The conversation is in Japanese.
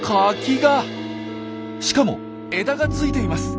しかも枝がついています！